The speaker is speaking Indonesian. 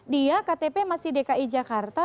dia ktp masih dki jakarta